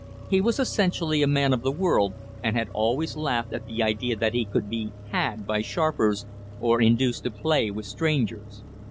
He was essentially a man of the world, and had always laughed at the idea that he could be "had" by sharpers, or induced to play with strangers.